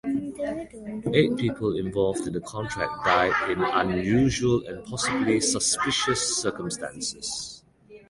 Eight people involved in the contract died in unusual and possibly suspicious circumstances.